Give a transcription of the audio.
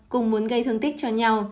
cùng muốn gây thương tích cho nhau